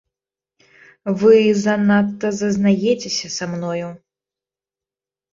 Вы занадта зазнаецеся са мною.